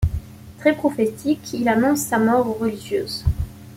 Très prophétique, il annonce sa mort aux religieuses.